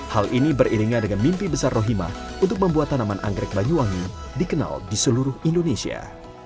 hal ini beriringan dengan mimpi besar rohima untuk membuat tanaman anggrek banyuwangi dikenal di seluruh indonesia